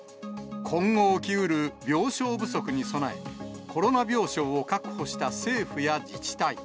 今後起きうる病床不足に備え、コロナ病床を確保した政府や自治体。